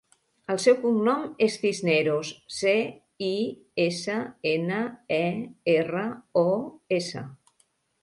El seu cognom és Cisneros: ce, i, essa, ena, e, erra, o, essa.